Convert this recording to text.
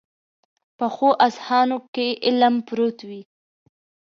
پخو اذهانو کې علم پروت وي